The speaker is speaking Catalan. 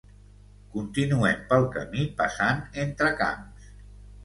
Continuem pel camí passant entre camps